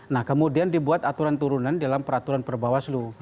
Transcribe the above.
nah kemudian dibuat aturan turunan dalam peraturan per bawaslu